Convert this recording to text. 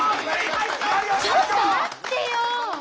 ちょっと待ってよ！